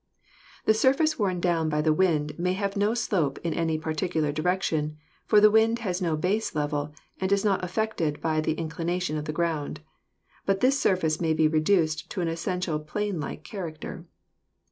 The surface worn down by the wind may have no slope in any particular direction, for the wind has no base level and is not affected by the inclination of the ground, but this surface may be reduced to an essen tially plain like character.